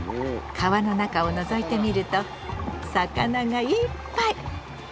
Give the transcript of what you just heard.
川の中をのぞいてみると魚がいっぱい！